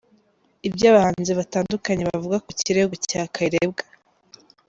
Ibyo abahanzi batandukanye bavuga ku kirego cya Kayirebwa